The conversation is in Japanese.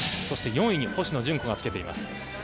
そして４位に星野純子がつけています。